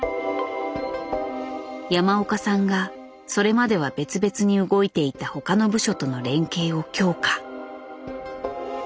山岡さんがそれまでは別々に動いていた他の部署との連携を強化。